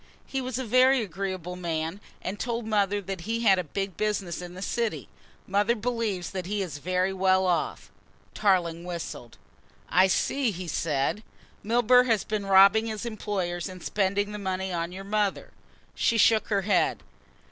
He was a very agreeable man and told mother that he had a big business in the city. Mother believes that he is very well off." Tarling whistled. "I see," he said. "Milburgh has been robbing his employers and spending the money on your mother." She shook her head.